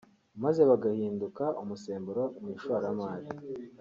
maze bagahinduka umusemburo mu ishoramari